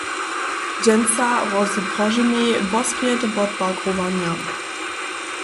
Dźensa hrozy Prožymej wospjet wotbagrowanje.